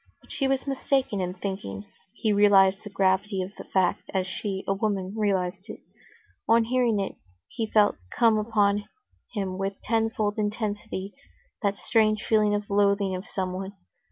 But she was mistaken in thinking he realized the gravity of the fact as she, a woman, realized it. On hearing it, he felt come upon him with tenfold intensity that strange feeling of loathing of someone.